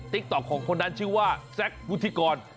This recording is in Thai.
ติ๊กต๊อกของคนนั้นชื่อว่าแซคพุทธิกร